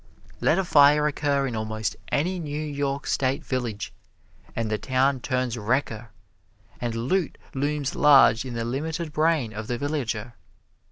Let a fire occur in almost any New York State village, and the town turns wrecker, and loot looms large in the limited brain of the villager.